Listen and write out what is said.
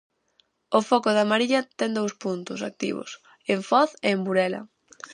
O foco da Mariña ten dous puntos activos: en Foz e en Burela.